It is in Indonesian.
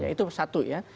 itu satu ya